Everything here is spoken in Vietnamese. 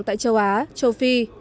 tại châu á châu phi